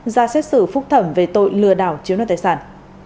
ra xét xử phúc thẩm về tội lừa đảo chiếu nợ tài sản